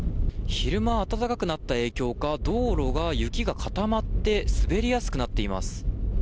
昼間暖かくなった影響か道路が雪が固まって滑りやすくなっています。